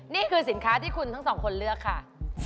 นี่คือสินค้าที่คุณทั้งสองคนเลือกค่ะ